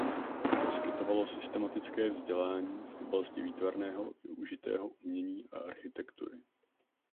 Poskytovalo systematické vzdělání v oblasti výtvarného i užitého umění a architektury.